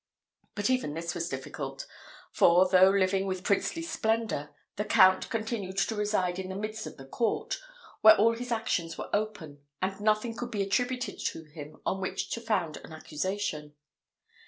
But even this was difficult; for, though living with princely splendour, the Count continued to reside in the midst of the court, where all his actions were open, and nothing could be attributed to him on which to found an accusation.